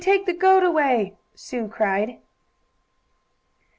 Take the goat away!" Sue cried.